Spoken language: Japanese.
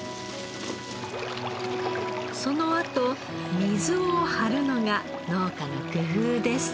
そのあと水を張るのが農家の工夫です。